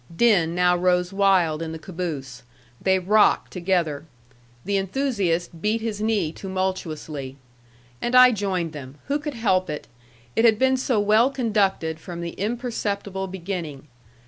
Din now rose wild in the caboose. They rocked together. The enthusiast beat his knee tumultuously. And I joined them. Who could help it? It had been so well conducted from the imperceptible beginning.